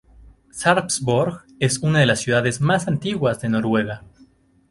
Sarpsborg es una de las ciudades más antiguas de Noruega.